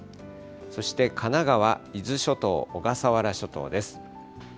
そして神奈川、伊豆諸島、小笠原諸島です。